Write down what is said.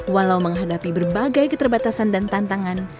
walau menghadapi berbagai keterbatasan dan tantangan